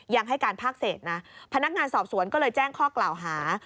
ยังให้การภาคเศษนะพนักงานสอบสวนก็เลยแจ้งข้อกล่าวหา